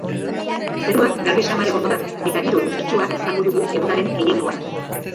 Zerua garbi samar egongo da eta giro eguzkitsua izango dugu egunaren gehiengoan.